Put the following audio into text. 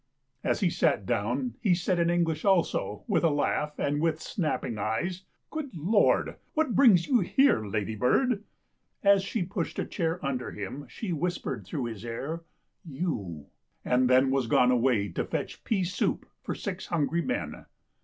As he sat down he said in English also, w ith a laugh and with snapping eyes :" Good Lord, what brings you here, ladybird ?" As she pushed a chair under him she whispered through his hair, " You !" and then was gone away to fetch pea soup for six hungry men.